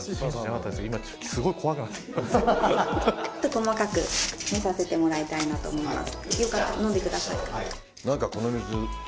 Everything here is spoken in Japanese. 細かく見させてもらいたいなと思います。